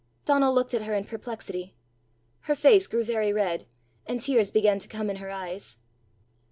Donal looked at her in perplexity. Her face grew very red, and tears began to come in her eyes.